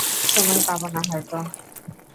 সময় পাব না হয়তো।